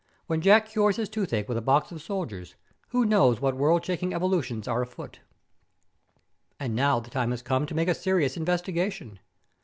When Jack cures his toothache with a box of soldiers, who knows what world shaking evolutions are afoot? And now the time has come to make a serious investigation.